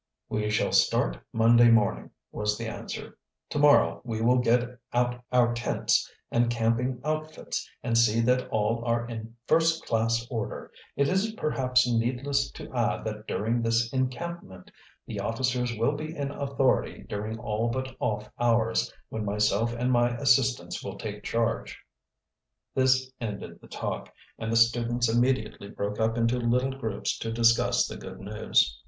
"We shall start Monday morning," was the answer. "To morrow we will get out our tents and camping outfits and see that all are in first class order. It is perhaps needless to add that during this encampment the officers will be in authority during all but off hours, when myself and my assistants will take charge." This ended the talk, and the students immediately broke up into little groups to discuss the good news.